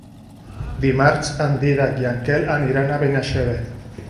Dimarts en Dídac i en Quel aniran a Benaixeve.